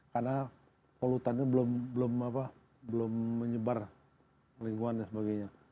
karena polutannya belum menyebar lingkungan dan sebagainya